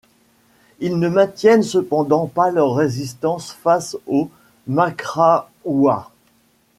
Ils ne maintiennent cependant pas leur résistance face aux Maghraouas.